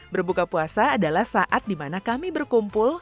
berbuka puasa adalah saat di mana kami berkumpul